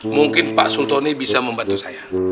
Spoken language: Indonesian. mungkin pak sultoni bisa membantu saya